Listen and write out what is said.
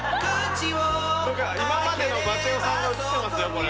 何か今までのバチェ男さんが映ってますよこれ。